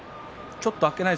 ちょっとあっけない